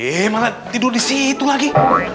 hei malah tidur di situ lagi